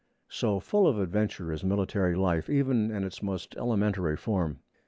So full of adventure is military life, even in its most elementary form.